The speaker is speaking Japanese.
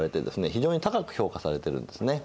非常に高く評価されてるんですね。